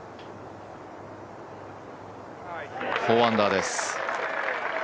４アンダーです。